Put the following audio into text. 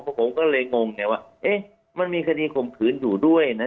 ผมก็เลยงงไงว่าเอ๊ะมันมีคดีข่มขืนอยู่ด้วยนะ